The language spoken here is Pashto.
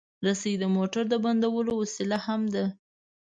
رسۍ د موټر د بندولو وسیله هم ده.